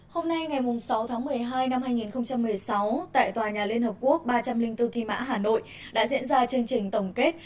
hôm nay ngày sáu tháng một mươi hai năm hai nghìn một mươi sáu tại tòa nhà liên hợp quốc ba trăm linh bốn khi mã hà nội đã diễn ra chương trình tổng kết